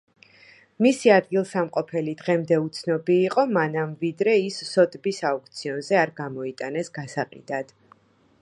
მისი ადგილსამყოფელი დღემდე უცნობი იყო მანამ, ვიდრე ის სოტბის აუქციონზე არ გამოიტანეს გასაყიდად.